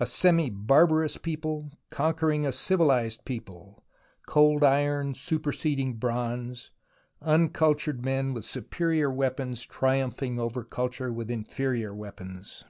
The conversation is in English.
A semi barbarous people conquering a civihzed people, cold iron super seding bronze, uncultured men with superior weapons triumphing over culture with inferior weapons.